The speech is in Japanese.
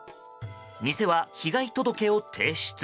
店は被害届を提出。